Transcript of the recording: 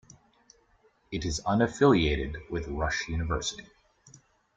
It is affiliated with Rush University.